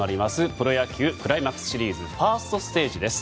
プロ野球クライマックスシリーズファーストステージです。